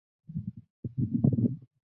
乌干达议会是乌干达的国家立法机关。